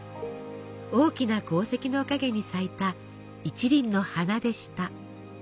大きな功績の陰に咲いた１輪の花でした。